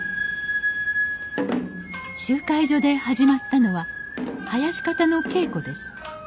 集会所で始まったのは囃子方の稽古です。